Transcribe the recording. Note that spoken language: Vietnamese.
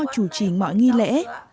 chủ trì mọi nghi lễ